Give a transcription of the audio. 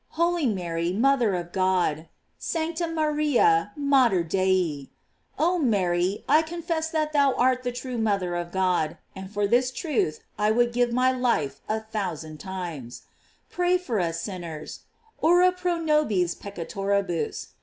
Holy Mary, mother of God: "Sancta Maria, mater Dei." Oh Mary, I confess that thou art the true mother of God, and for this truth I would give my life a thousand times. Pray for us sinners; "Ora pro nobis peccatoribus."